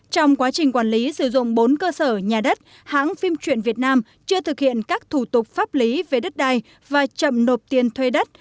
trong quá trình quản lý sử dụng bốn cơ sở nhà đất hãng phim truyện việt nam chưa thực hiện các thủ tục pháp lý về đất đai và chậm nộp tiền thuê đất